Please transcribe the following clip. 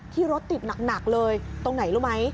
รถติดหนักเลยตรงไหนรู้ไหม